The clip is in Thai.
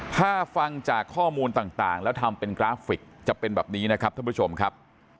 ถ้าฟังจากข้อมูลต่างแล้วทำเป็นกราฟิกจะเป็นแบบนี้นะครับท่านผู้ชมครับ